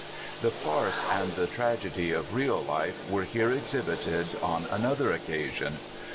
The farce and the tragedy of real life were here exhibited on another occasion.